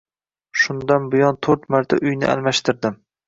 Shundan buyon to`rt marta uyni almashtirdim